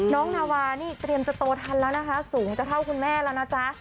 นาวานี่เตรียมจะโตทันแล้วนะคะสูงจะเท่าคุณแม่แล้วนะจ๊ะ